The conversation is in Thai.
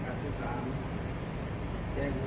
สวัสดีครับทุกคน